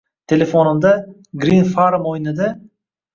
- Telefonimda, Green Farm o'yinida..